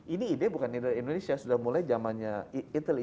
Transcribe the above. ini ide bukan dari indonesia sudah mulai jamannya italy